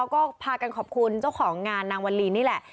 ก็พากันขอบคุณเจ้าของงานนางวันลีนี่แหละ